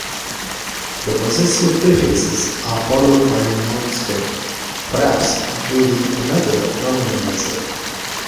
The possessive prefixes are followed by noun stem, perhaps including another nominalizer.